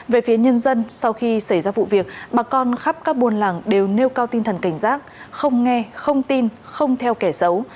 về phía nhân dân sau khi xảy ra vụ việc bà con khắp các buôn làng đều nêu cao tinh thần cảnh giác không nghe không tin không theo kẻ xấu